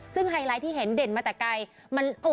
ซึ่งไฮไลท์ที่เห็นเด่นมาแต่ไกล